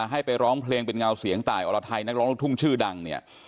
ให้ไปร้องเพลงเป็นเงาเสียงตายอรไทยนักร้องลูกทุ่งชื่อดังเนี่ย